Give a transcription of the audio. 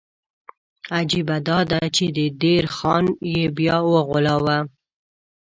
عجیبه دا ده چې د دیر خان یې بیا وغولاوه.